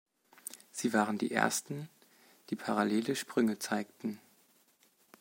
Sie waren die ersten, die parallele Sprünge zeigten.